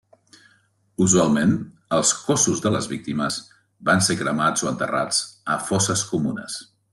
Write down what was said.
Usualment, els cossos de les víctimes van ser cremats o enterrats a fosses comunes.